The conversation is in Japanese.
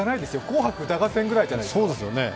「紅白歌合戦」ぐらいじゃないですか。